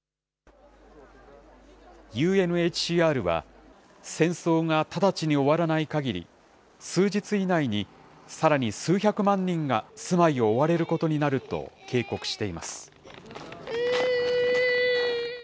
ＵＮＨＣＲは、戦争が直ちに終わらないかぎり、数日以内にさらに数百万人が住まいを追われることになると警告しています。